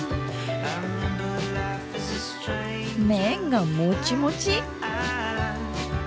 麺がもちもち！